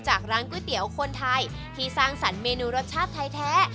ร้านก๋วยเตี๋ยวคนไทยที่สร้างสรรคเมนูรสชาติไทยแท้